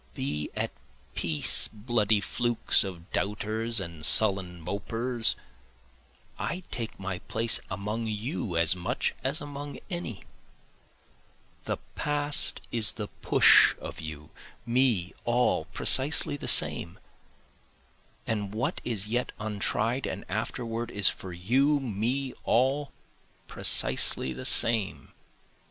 Be at peace bloody flukes of doubters and sullen mopers, I take my place among you as much as among any, The past is the push of you, me, all, precisely the same, And what is yet untried and afterward is for you, me, all, precisely the same.